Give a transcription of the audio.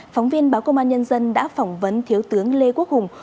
phóng viên báo công an nhân dân đã phỏng vấn thiếu tướng lê quốc hùng